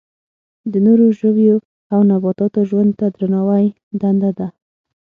د نورو ژویو او نباتاتو ژوند ته درناوی دنده ده.